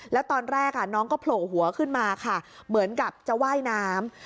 แล้วตอนแรกน้องก็โผล่หัวขึ้นมาค่ะเหมือนกับจะว่ายน้ำ